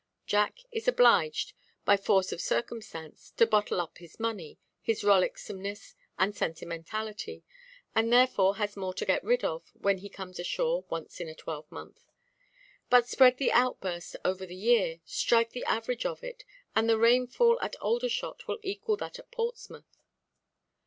Jack is obliged, by force of circumstance, to bottle up his money, his rollicksomeness and sentimentality, and therefore has more to get rid of, when he comes ashore once in a twelvemonth. But spread the outburst over the year, strike the average of it, and the rainfall at Aldershot will equal that at Portsmouth.